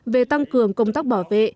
về tăng cường công tác bảo vệ